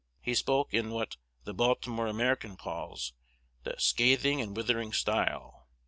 He spoke in what "The Baltimore American" calls the "scathing and withering style."